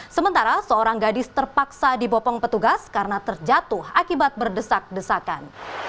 sementara seorang gadis terpaksa dibopong petugas karena terjatuh akibat berdesak desakan